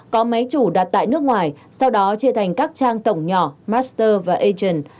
có máy chủ đặt tại nước ngoài sau đó chia thành các trang tổng nhỏ master và ation